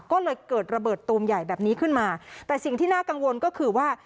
ก็เลยเกิดระเบิดตูมใหญ่แบบนี้ขึ้นมาแต่สิ่งที่น่ากังวลก็คือว่า